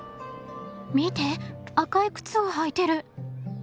見て赤い靴を履いてる。